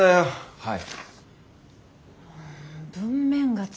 はい。